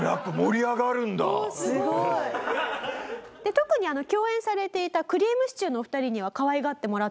特に共演されていたくりぃむしちゅーのお二人にはかわいがってもらってたと。